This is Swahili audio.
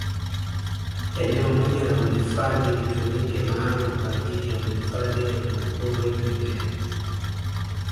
Eneo moja la uhifadhi litumike maalum kwa ajili ya uhifadhi wanyamapori pekee